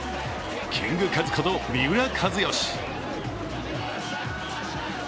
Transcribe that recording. キングカズこと三浦知良。